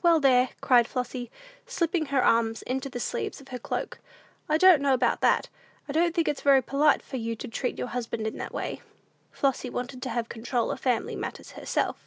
"Well, there," cried Flossy, slipping her arms into the sleeves of her cloak, "I don't know about that; I don't think it's very polite for you to treat your husband in that way." Flossy wanted to have the control of family matters herself.